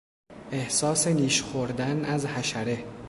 احساس نیش خوردن از حشره